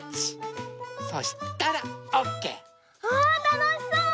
そしたらオッケー。